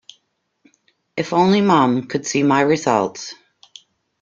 If only mum could see my results.